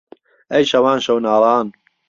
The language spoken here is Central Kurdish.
ئهی شهوان شهو ناڵان